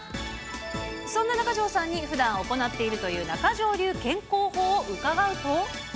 そんな中条さんにふだん行っているという中条流健康法を伺うと。